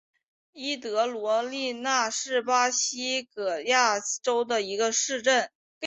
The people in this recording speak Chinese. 伊德罗利纳是巴西戈亚斯州的一个市镇。